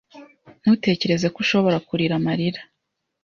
Ntutekereze ko ushobora kurira amarira